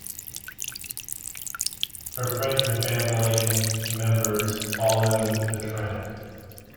Her friends and family members followed the trend.